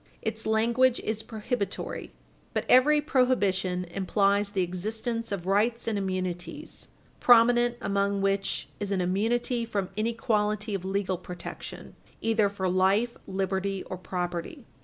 Its language is prohibitory, but every prohibition implies the existence of rights and immunities, prominent among which is an immunity from inequality of legal protection either for life, liberty, or property.